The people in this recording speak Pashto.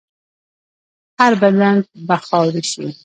هر بدن به خاوره شي.